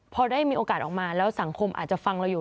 พอได้มีโอกาสออกมาแล้วสังคมอาจจะฟังเราอยู่